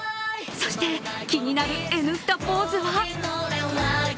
そして、気になるＮスタポーズは？